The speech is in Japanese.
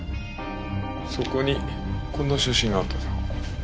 そこにこんな写真があったぞ。